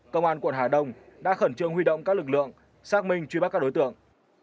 công an quận hà đông đã khẩn trương huy động các lực lượng xác minh truy bắt các đối tượng